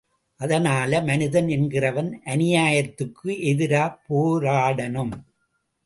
அதனால மனிதன் என்கிறவன் அநியாயத்துக்கு எதிரா போராடணும்.